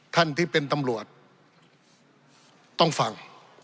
ท่านที่เป็นตำรวจต้องฟัง